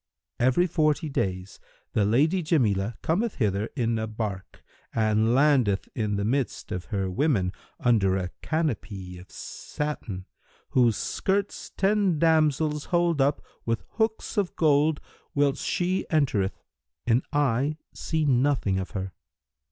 Every forty days the Lady Jamilah cometh hither in a bark and landeth in the midst of her women, under a canopy of satin, whose skirts ten damsels hold up with hooks of gold, whilst she entereth, and I see nothing of her.